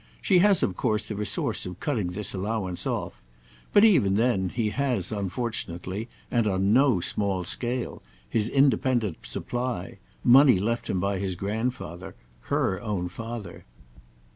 She has of course the resource of cutting this allowance off; but even then he has unfortunately, and on no small scale, his independent supply—money left him by his grandfather, her own father."